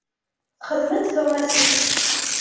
Texdem-d tuɣmas-is.